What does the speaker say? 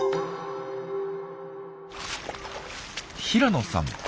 平野さん